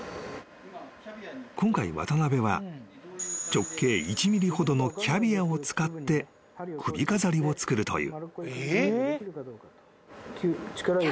［今回渡邊は直径１ｍｍほどのキャビアを使って首飾りを作るという］